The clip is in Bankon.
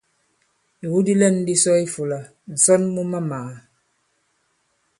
Ìwu di lɛ̂n di sɔ i ifūlā: ǹsɔn mu mamàà.